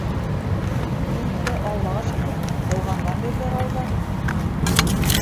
Мин инде аллаға шөкөр, тыуғандан бирле Рауза...